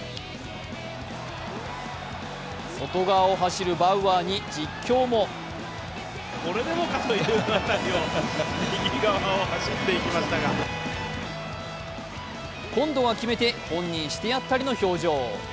外側を走るバウアーに実況も今度は決めて本人してやったりの表情。